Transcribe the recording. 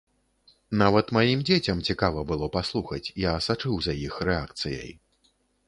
Нават маім дзецям цікава было паслухаць, я сачыў за іх рэакцыяй.